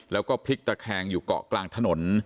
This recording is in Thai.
แล้วก็พลิกตะแคงอยู่เกาะกลางถนน